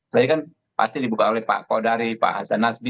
saya kan pasti dibuka oleh pak kodari pak hasan nasbi